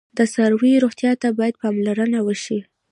د څارویو روغتیا ته باید پاملرنه وشي.